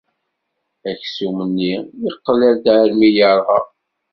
Aksum-nni yeqla-d armi ay yerɣa.